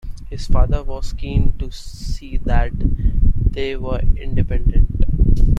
His father was keen to see that they were independent.